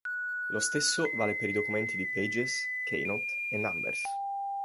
Lo stesso vale per i documenti di Pages, Keynote e Numbers.